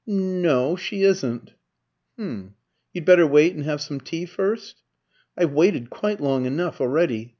"N no, she isn't." "H'm you'd better wait and have some tea first?" "I've waited quite long enough already.